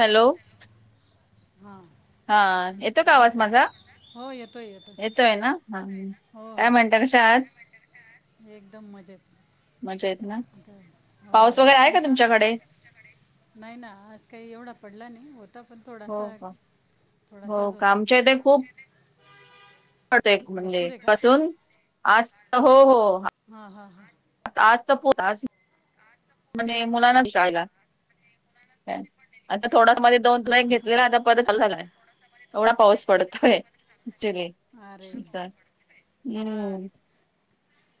Hello हा हा येतो का आवाज माझा हो येतो येतो येतोय ना ह हो काय हो म्हणता कशे आहात एकदम मजेत मजा इथं- हो पाऊस वगैरे आहे का तुमचं तुमच्याकडे नाही ना आज काही एवढा पडला नाही आता पण हो थोडासा का हो थोडासाच होता तो एक भरपूर म्हणजे आहे का पासून आज हो हो हा हा हा आज तर पत आज म्हणजे मुलांनाच शाळेला आता थोडाच मध्ये दोन तईक घेतलेला आता परत चा झालाय एवढा पाऊस पडत शर हां अरे हम् मग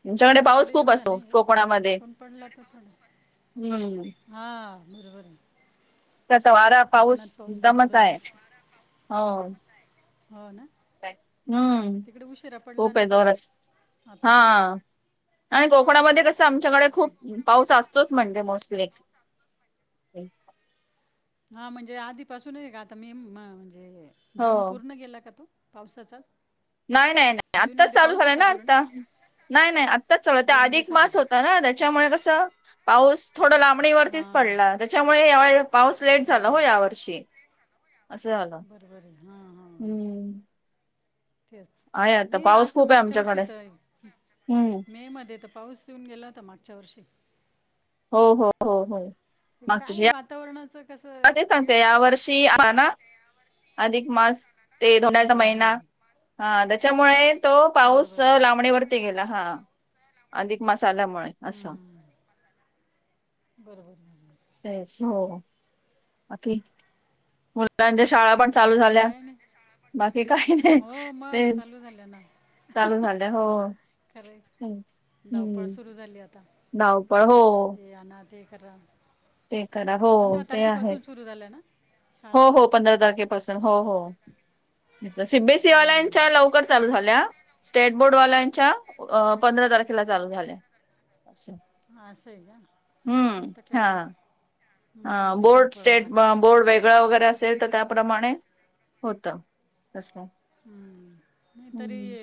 तुमच्याकडे पाऊस आमच्याकडे खूप एवढा असतो नाही आहे कोकणामध्ये पण पडला तर हम्म ह निरोबर त्याचा वारा पाऊस एकदमच भरपूरच आहे असतो हो हो ना हम्म तिकडे उशिरा पडला खूप ना आहे पाऊस दोरच हा आता आणि कोकणामध्ये कसं आमच्याकडे खूप पाऊस असतोच मंडे मोस्ट लाक हा म्हणजे आधीपासूनच का आता मी म्हणजे हो जून पूर्ण गेला का तो पावसाचा नाही नाही नाही आत्ताच जूनमध्ये चालू पाऊस झालंय होता ना पूर्ण? आता नाही नाही आत्ताच चालला त्या आधी एक मास दिवसापूर्वी. होता ना त्याच्यामुळे कसं पाऊस थोडं लांबणीवरतीच हां. पडला त्याच्यामुळे पाऊस लेट झाला हो बरोबर, यावर्षी असं आला बरोबर आहे. हां, हां, हां. हम्म तेच आहे आता नाही पाऊस असं खूप आहे मागच्या वर्षी आमच्याकडे तर हम्म मे मध्ये तर पाऊस पिऊन गेलाता मागच्या वर्षी हो हो हो हो काय वातावरणाच अ तांत या वर्षी ना अधिक मास हं, तेडचा हं, हं, महिना हं. हा त्याच्यामुळे तो पाऊस बरोबर, बरोबर. लांबणीवरती गेला हा अध म ल्यामुळे अस हं. बरोबर, बरोबर. ते मुलांच्या शाळा पण चालू बाकी झाल्या काही नाही. बाकी काही नाही हो, मग ते चालू झालं चालू झालं हो तेच. खरं धावपळ हम्म सुरू झाली आता धावपळ हो तेठीक ते करा हो ते आहे झाल्या ना हो शाळा हो पंधरा तारखेपासून हो हो हम्म. सीबीएसईवाल्याच्या लवकर चालू झाल्या स्टेट बोर्डवाल्यांच्या अ पंधरा तारखेला चालू झाल्या. असं, असं आहे का हम्म आता काय मग हा. हा मुलांची बोर्ड धावपळ मग स्टेट आता ब बोर्ड वेगळा वगैरे असेल तर त्या प्रमाणे होतं. तसं हम्म, नाही तरी हं.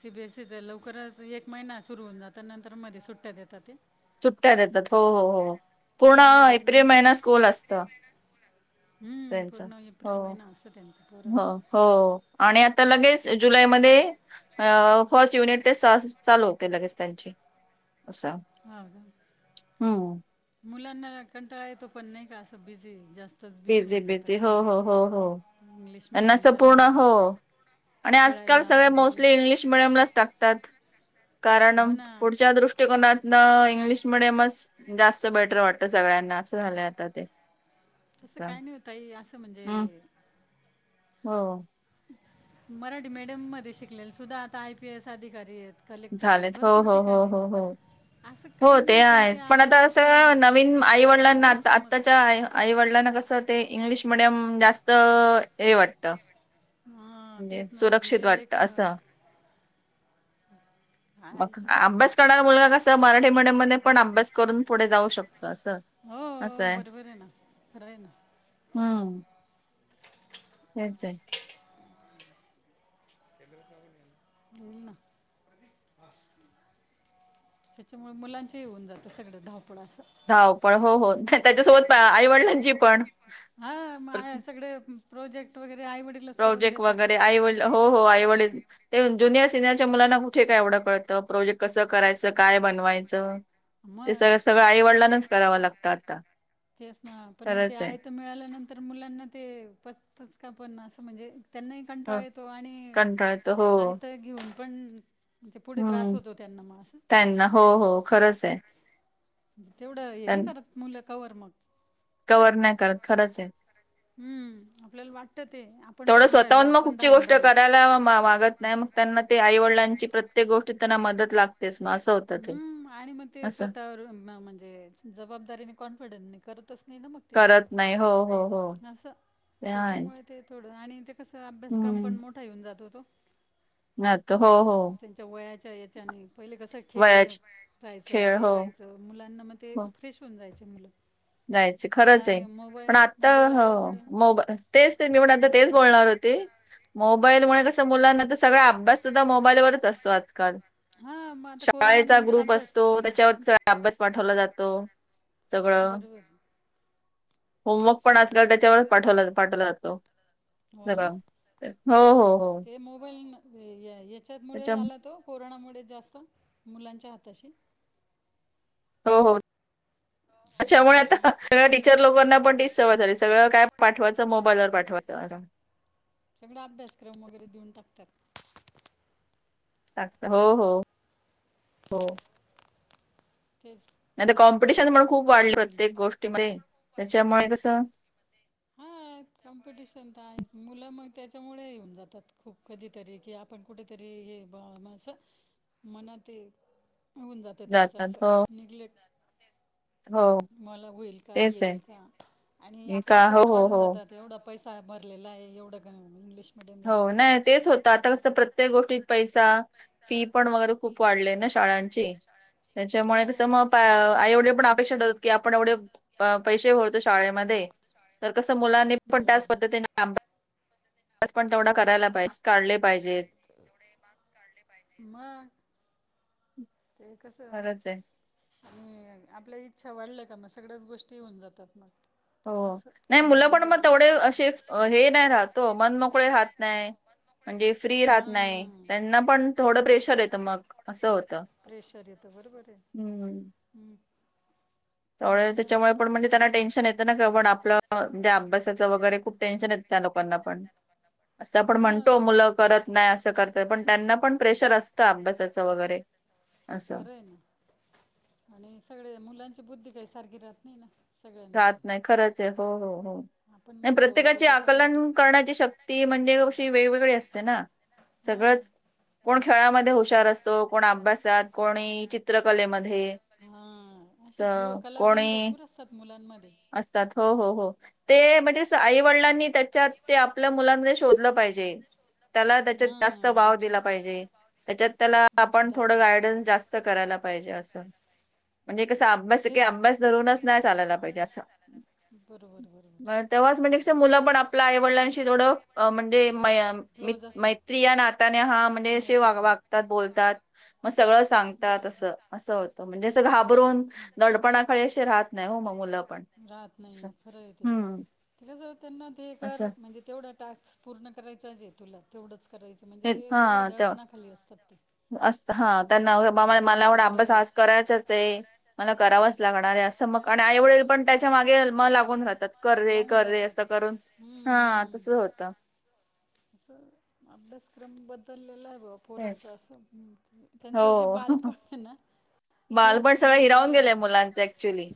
सी बी एस सी चा लवकरच एक महिना सुरू होऊन जात ना, नंतर मध्ये सुट्ट्या देता ते. सुट्ट्या देतात हो हो हो, पूर्ण महिनाभर एप्रिल नंतर मग महिना स्कूल असतं. हम्म, त्यांचं. पूर्ण एप्रिल हो, महिना असतं त्यांचं. हो पोरांचं हो, आणि आता लगेच जुलैमध्ये अ फर्स्ट युनिट ते स् चालू होते लगेच त्यांची. असा हा का हम्म. मुलांना कंटाळा येतो, पण नाही का असं बिझी जास्त बीजी बीजी हो हो हो, इंग्लिश त्यांना मिडियमचं पूर्ण राहिलं असं, का हो. आणि आजकाल खेळायला सगळे वगैरे मोस्टली इंग्लिश मिडियमलाच टाकतात. हो कारण ना पुढच्या दृष्टीकोनात न इंग्लिश मिडियमच जास्त बेटर वाटतं सगळ्यांना असं झालंय आता ते. तसं असं. काही नाही ओ ताई, असं म्हणजे हं. हो. मराठी मीडियम मध्ये शिकलेला सुद्धा आता आय पी एस अधिकारी आहेत. कलेक्टर आहेत झालेत हो भरपूर हो हो ठिकाणी आहेत. हो हो. असं हो काही ते नाही आहेच, पण आपण आता एक अ, असं नवीन आई वडिलांना गैरसमज आत्ताच्या आई आईवडीला ना‌ कसं ते इंग्लिश मिडीयम जास्त हे वाटतं हां म्हणजे तेच ना सुरक्षित म्हणजे वाटतं एक अ, असं. आहे मग अभ्यास करणारा मुलगा कसं मराठी मिडीयम मध्ये पण अभ्यास करून पुढे जाऊ शक असं, हो हो, असंय बरोबर आहे ना खरं आहे ना हम्म. [inaudible] [inaudible] त्याच्यामुळे मुलांचे ही होऊन जातं सगळं धावप धावपळ हो हो, अन त्याच्यासोबत आईवडिलांची पण. हा म आया सगळे प्रोजेक्ट वगै प्रोजेक्ट वगैरे आईवडील हो हो आईवडील ते ज्युनियर सिनियरच्या मुलांना कुठे काय एवढं कळतं, प्रोजेक्ट कसं करायचं काय बनवायचं? ते मग सगळं सगळं आईवडिलांनाच करावं लागतं आता. तेच ना, पण मग ते खरंच आहे. आयत मिळाल्यानंतर मुलांना ते पचतच का पण असं म्हणजे त्यांनाही हा. कंटाळा येतो आणि कंटाळत हो आयत घेऊन पण म्हणजे पुढे त्रास हम्म, होतो त्यांना मग असं त्यांना हो हो खरंच आहे. तेवढं हे नाही करत मुलं कव्हर मग. कव्हर नाही करत खरंच आहे. हम्म, आपल्याला वाट तेवढं स्वतःहून मग कुठची गोष्ट राहिलो करायला म मागत नाही मग त्यांना ते आई वडलांची प्रत्येक गोष्टी त्यांना मदत लाग हम्म, आणि मग ते स्वतःवर म्हणजे अ जबाबदारीने कॉन्फिडन्सने कर तसं नाय ना मग ते, करत नाही हो हो, असं ते आहे. त्यांच्यामुळे ते थोडं आणि ते कसं अभ्यासक्रम हम्म पण मोठा येऊन जातो तो. [inaudible] त्यांच्या वयाच्या याच्याने पहिले कसं खेळं वयाचे राहायचं खेळ हे हो राहायचं मुलांना मग ते ते फ्रेश होऊन जाय जायचं, खरंच आहे. पण मोबाईल आता, मोबाईल हो आल्यामुळे मोबा तेच ते मी पण आता तेच थोडंसं बोलणार होते. मोबाईलमुळे कसं मुलांना तर सगळा अभ्यास सुद्धा मोबाईलवरच असतो आजकाल. हां मग आता शाळेचा कोरोनानंतर ग्रुप अभ्यास असतो सगळं त्याच्यावर अभ्यास पाठवला जातो सगळं. बरोबर होमवर्क पण आजकाल त्याच्यावरच पाठवला पाठवला जातो हो सगळा ना हो हो हो ते मोबाईल या याच्यातमुळे त्याच्या झाला तो कोरोनामुळे जास्त मुलांच्या हाताशी हो हो त्याच्यामुळे आता टीचर लोकांना पण व सगळं काय पाठवायचं मोबाईल व पाठवायचं सगळे अभ्यासक्रम वगैरे देऊन टाकतात टाकतात हो हो हो तेच नाहीतर कॉम्पिटिशन पण खूप काय वाढले होईल प्रत्येक गोष्टीमध्ये त्याच्यामुळे कसं हा कॉम्प्युटीशन मुलं मग त्याच्यामुळे येऊन जातात खूप कधीतरी की आपण कुठेतरी हे असं मनात होऊन जातं त्यांचं जातात हो असं निग्लेट हो मला होईल का तेच येईल का आणि आहे आपल्या का हो अपेक्षा हो वाढून हो जातात एवढं पैसा भरलेला आहे एवढं का इंग्लिश मिडियमला हो टाकलं नाही तेच होत आता कस प्रत्येक गोष्टीत पैसे फी पण वगैरे खूप वाढले ना शाळांची त्याच्यामुळे कसं हां मग आईवडील पण अपेक्षा ठेव की आपण एवढे पैसे भरतो शाळेमध्ये तर कसं मुलांने पण त्याच बरोबर पद्धतीने लाब स पण तेवढा करायला पाहिजे काढले पाहिजेत तेवढ मास्क काढले पाहिजे ते कसं खरंच आहे आणि आपल्या इच्छा वाढल्या का मग सगळ्याच गोष्टी येऊन जातात मग हो असं नाही मुलं पण मग मुलांबरोबर तेवढे असे हे नाही राहतो मन मोकळे राह नाही म्हणजे फ्री राहत नाही म्हणजे त्यांना पण थोडं प्रेशर येतं मग असं होत प्रेशर येत बरोबर आहे हम् त्यामुळे त्याच्यामुळे पण मग म्हणजे त्यांना टेन्शन येतं ना का पण आपलंणे अभ्यासाचं वगैरे खूप टेन्शन येत त्या लोकांना पण असं आपण पण म्हणतो हा मुलं करत नाही असं करत पण त्यांना पण प्रेशर असतं अभ्यासाचं वगैरे असं खय ना [inaudible] आणि सगळे मुलांची बुद्धी काही सारखी राहत नाही ना राहत सगळ्यांची नाही खरंच आहे हो हो आपण हो म्हणतो तो प्रत्येकाची कसा आकलन करण्याची शक्ती म्हणजे अशी वेगवेग अस ना हां सगळच कोण खेळामध्ये हुश अस कोण अभ्यासात को चित्रकलेमध्ये हा असे गु कलागुण कोणी भरपूर असतात मुलांमध्ये असतात हो हो हो ते म्हणजे आई वडिलांनी त्याच्यात ते आपल्या मुलांमध्ये शोधलं पाहिजे त्याला त्याच्यात जास्त त्याला वाव दिला पाहिजे त्याच्यात त्याला आपण त्याच्यात थोडं गायडन्स जास्त करायला पाहिजे असं म्हणजे कसं अभ्यास क तेच अभ्यास धरूनच ते असं. बरोबर बरोबर. म्हण आपल्या आईवडिलांशी थोडं म्हणजे क्लोज असतात. मत या नाने हा म्हणजे शे तात बोलतात मग सगळं सांगतात असं असं होतं म्हणजे जं घाबरून दडपणाखळी असे राहत नाही हो मग मुला राहत नाही खरं येत ते ज त्यांना ते असं म्हणजे तेवढा टास्क पूर्ण करायचा आहेजे तुला तेवढंच करायचं म्हणजे तेवढं दळपणाखाली असतात ते अस हा त्यांना मस्त मला झालं ते एढं बरं अभ्यास आहे. आज करायचाच आहे मला करावंच लागणार आहे मग आणि आईवडल पण त्याच्या मागेग लागून राहत कर रे लावून कर रे जातात असं करून हा तस होतं अस अभ्यासक्रम बदललेला आहे पोरांच तेच. असं त्यांचं जे हो. बालपण आहे ना बालपण तेच सगळं गेलेलं हिरावून आहे गेलेय आता मुलांच ऍक्च्युली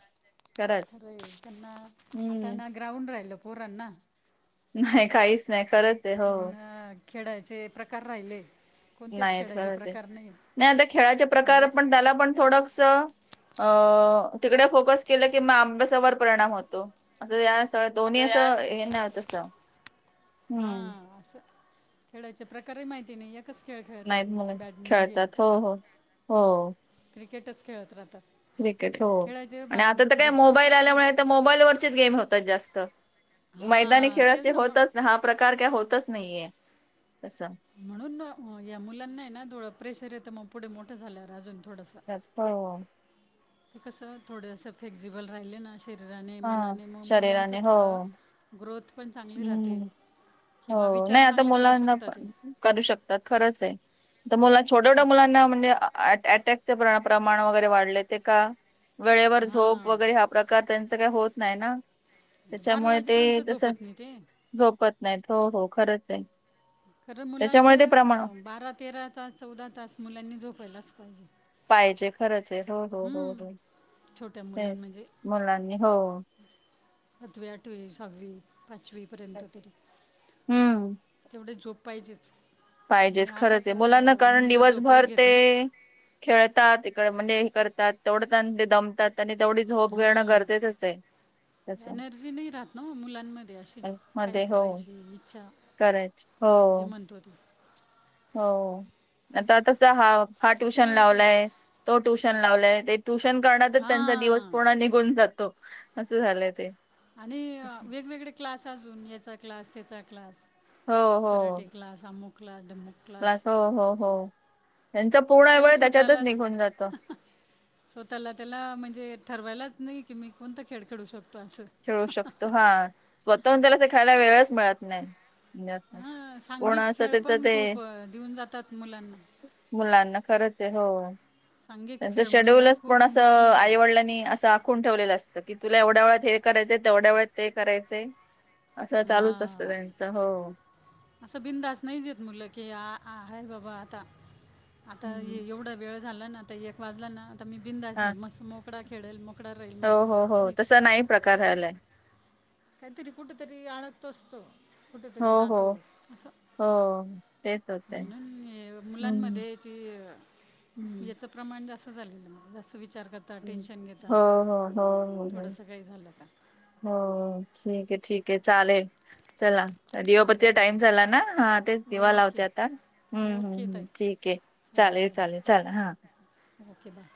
खरच खरं आहे हम् त्यांना ग्राउंड राहिलं पोरांना नाही काहीच नाही खरंच आहे. हो. अ खेळायचे प्रकार राहिले कोणतेच नाही खेळायचे खरच प्रकार नाही आता खेळाच्या प्रकार म्हणजे पण त्याला पण थोडस अ तिकडे फोकस केलं की म अभ्यासावर परिणाम होतो अस दोन्ही असं हे ना तस हम्म खेळायच्या प्रकारे माहिती नाही एकच खेळ खेळतात नाहीत ते म्हणून बॅडमिं हे खेळतात हो हो हो क्रेटच खेळत रातात क्रिकेट हो आणि आता तर काय भरपूर मोबाईल प्रकार आल्यामुळे तर आहेत मोबाईलवररचीच गेम होतात जास्त मैदानी हां तेच खेळे ना मग होतच हा प्रकार काय होतच नाहीे तस म्हणून ना या मुलांना ना डोळं प्रेशर येतं मग पुढे मोठं झाल्या अजून थोडंसं हो कसं थोडसं फ्लेक्झिबल राहिले ना शरीराने हा मनाने मग मुलांचं शरीराने हो थोडं ग्रोथ पण चांगली राहते हम्म किंवा हो नाही विचार आता चांगले करू मुलांना शकता प ते करू शकतात खरंच आहे तर मुलां छोट्या छोट्या असं मुलांना म्हणजे अटॅकचे प्रमाण वगैरे वाढले ते का वेळेवर झोप हां वगैरे हा प्रकार त्यांचं काही होत नाही ना बारा त्याच्यामुळे ते वाजेपर्यंत तस झोपत नाही ते झोपत नाहीत हो हो खरंच आहे खरं त्याच्यामुळे ते प्रमाण मुलांचं बारा तेरा तास चौदा तास मुलांनी झोपयलाच पाहिजे पाहिजे खरच आहे हो हो हो हम्म. हो छोट्या मुलां हेच मुलांनी हो हत्तवी अठवी सववी पाचवी पर्यंत तरी हम्म तेवढे झोप पाहिजेच आणि पाहिजेच आता खरच आहे मुलांना तर कारण मुलं झोपही दिवसभर ते घेत नाही खेळतात म्हणजे हे करतात तेवढं दमतात आणि तेवढी झोप घेणं गरजच हां आहे तसं एनर्जी नाही राहत ना मुलांमध्ये अशी काय मध्ये हो करायची इच्छा करायच हो जे म्हणतो ते हो आता तस हा हा ट्युशन त्याच्यामुळे ते लावलाय तो ट्युशन लावलाय ते ट्यूशन करण्यातच त्यांचा दिवस हां पूर्ण निघून जातो असं झालंय ते आणि वेगवेगळे क्लास अजून याचा क्लास त्याचा क्लास कराटे क्लास आममु क्लास ढमुक क्लास प्लास हो हो हो त्यांच पूर्ण त्याला वेळ त्याच्यातच निघून जातं सो त्याला त्याला म्हणजे ठरवायलाच नाही की मी कोणता खेळ खेळू शकतो असं खेळू शकतो हा स्वतःहून त्याला ते खायला वेळच मिळत नाही जास्त. हा पूर्ण सांघिक असं खेळ त्याच पण ते खूप दिऊन जातात मुलांना खरच हो सांघिक त्यांच खेळमुळे ना शेड्यूलच पण खूप अस मुलांमध्ये आईवडिलांनी अस ून ठेवलं असतं की तुला एवढ्या वेळात हे करायचं तेवढ्या वेळात ते कयचंय हा असं बिंदास नाही जेत मुलं की आ आहेय बाबा आता आता हम्म. एवढं वेळ झाला ना आता एक वाजला ना मी बिंद हा मस् मोकडा खेळेल मोकळा राहील हो माझं हो मात्र हो नाहीच तसा नाही प्रकार रालाय काहीतरी कुठेतरी आळतो असतो हो कुठेतरी हो जातो असं हो तेच होतंय मु हम्म. मुलांमध्ये हम्म याच प्रमाण जास्त झालेलं जंच हा हा हो म्हला थोडंसं काही झालं का हा ठीक आहे ठीक आहे चालेल चला चालेल दिवापतीचा मग टाइम ला ताई ना हा ते दिवा ओके लावते आता हम्म हम्म ओके ताई हम्म ठीक आहे चालेल चालेल चाले हा ओके बाय